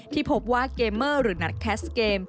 ที่พบว่าเกมเมอร์หรือนัดแคสเกม